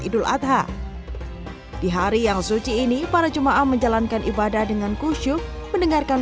idul adha di hari yang suci ini para jemaah menjalankan ibadah dengan kusyuk mendengarkan